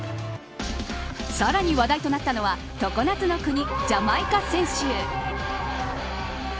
さらに話題となったのは常夏の国、ジャマイカ選手。